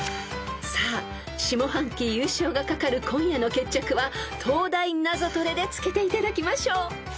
［さあ下半期優勝がかかる今夜の決着は東大ナゾトレでつけていただきましょう］